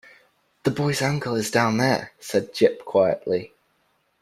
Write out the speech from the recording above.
“The boy’s uncle is down there,” said Jip quietly.